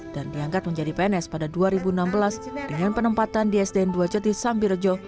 dan diangkat menjadi pns pada dua ribu enam belas dengan penempatan di sdn dua juti sambirjo